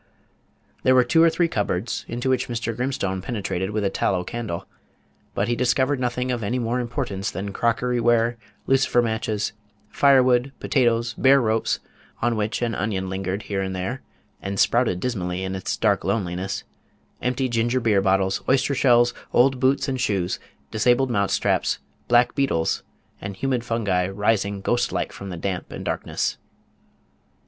There were two or three cupboards, into which Mr. Grimstone penetrated with a tallow candle; but he discovered nothing of any more importance than crockery ware, lucifer matches, firewood, potatoes, bare ropes, on which an onion lingered here and there, and sprouted dismally in its dark loneliness, empty ginger beer bottles, oyster shells, old boots and shoes, disabled mouse traps, black beetles, and humid fungi rising ghost like from the damp and darkness.